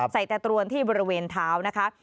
ตะกรวนที่บริเวณเท้านะคะ